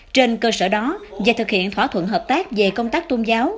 trên cơ sở đó và thực hiện thỏa thuận hợp tác về công tác tôn giáo